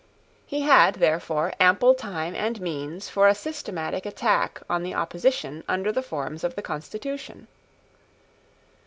He had, therefore, ample time and means for a systematic attack on the opposition under the forms of the constitution.